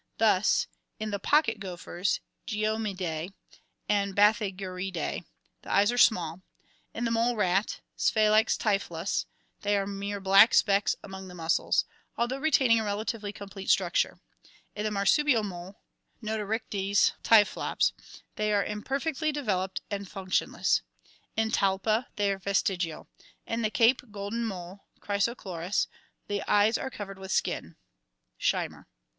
Thus "in the pocket gophers (Geomyidae) and Bathyergidae the eyes are small; in [the mole rat] Spalax typhlus they are mere black specks among the muscles (although retaining a relatively complete structure); in the mar supial mole (Notoryctes typhlops) they are imperfectly developed and functionless; in Talpa they are vestigial; in the Cape golden mole (Chrysochloris) the eyes are covered with skin" (Shimer).